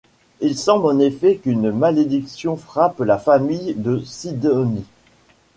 Il semble en effet qu’une malédiction frappe la famille de Sidonie.